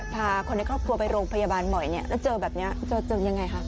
พาคนในครอบครัวไปโรงพยาบาลบ่อยเนี่ยแล้วเจอแบบนี้เจอยังไงคะ